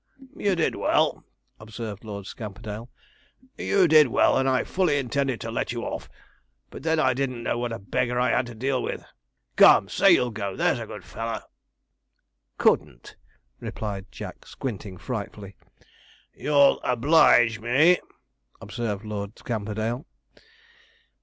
'You did well,' observed Lord Scamperdale 'you did well, and I fully intended to let you off, but then I didn't know what a beggar I had to deal with. Come, say you'll go, that's a good fellow.' 'Couldn't,' replied Jack, squinting frightfully. 'You'll oblige me,' observed Lord Scamperdale.